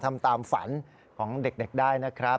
ทำตามฝันของเด็กได้นะครับ